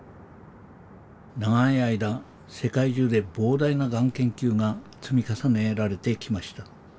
長い間世界中で膨大ながん研究が積み重ねられてきました。